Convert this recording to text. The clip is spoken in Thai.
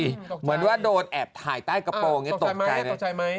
เหมือนว่าโดนแอบถ่ายใต้กระโปรงตกใจเลย